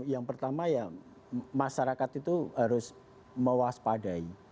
yang pertama ya masyarakat itu harus mewaspadai